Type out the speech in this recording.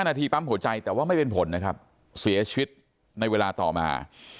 นาทีปั๊มหัวใจแต่ว่าไม่เป็นผลนะครับเสียชีวิตในเวลาต่อมา